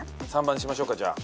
３番にしましょうかじゃあ。